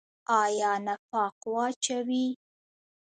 آیا نفاق واچوي؟